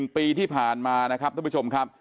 ๑ปีที่ผ่านมาท่านผู้ชมครับ